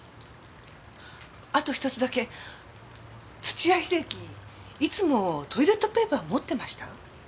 土屋秀樹いつもトイレットペーパー持ってました？